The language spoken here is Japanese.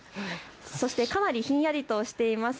そして、かなりひんやりとしています